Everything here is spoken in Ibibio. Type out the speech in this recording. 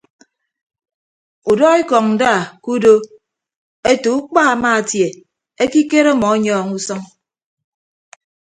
Udọ ekọñ nda ke udo ete ukpa amaatie ekikere ọmọ ọnyọọñ usʌñ.